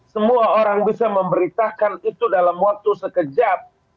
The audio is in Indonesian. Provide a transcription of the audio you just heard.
semua orang bisa memberitakan itu dalam waktu sekejap